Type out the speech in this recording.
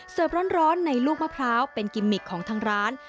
ร้อนในลูกมะพร้าวเป็นกิมมิกของทางร้าน